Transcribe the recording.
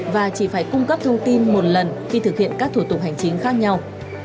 và chỉ phải cung cấp thông tin một lần khi thực hiện các thủ tục hành chính khác nhau